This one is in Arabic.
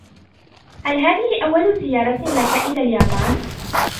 هل هذه أول زيارة لك إلى اليابان ؟